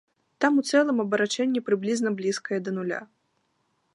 Там у цэлым абарачэнне прыблізна блізкае да нуля.